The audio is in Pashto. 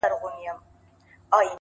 نیک عمل خاموش شهرت جوړوي,